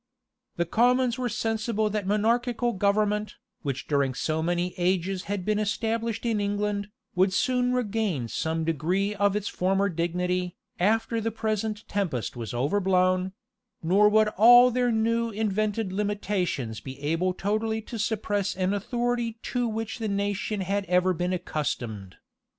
The commons were sensible that monarchical government, which during so many ages had been established in England, would soon regain some degree of its former dignity, after the present tempest was overblown; nor would all their new invented limitations be able totally to suppress an authority to which the nation had ever been accustomed.